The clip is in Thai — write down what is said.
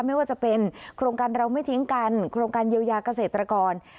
ไม่ว่าจะเป็นโครงการเราไม่ทิ้งกันโครงการเยียวยาเกษตรกร